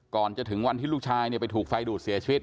ก่อนจะถึงวันที่ลูกชายไปถูกไฟดูดเสียชีวิต